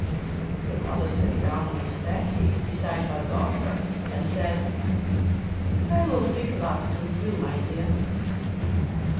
The mother sat down on the staircase beside her daughter and said, 'I will think about it with you, my dear.